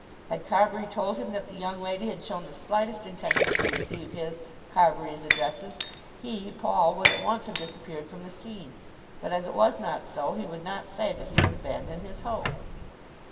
Had Carbury told him that the young lady had shown the slightest intention to receive his, Carbury's, addresses, he, Paul, would at once have disappeared from the scene. But as it was not so, he would not say that he would abandon his hope.